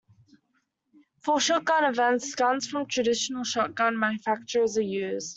For shotgun events, guns from traditional shotgun manufacturers are used.